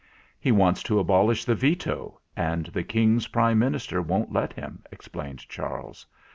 "He wants to abolish the Veto, and the King's Prime Minister won't let him," ex plained Charles.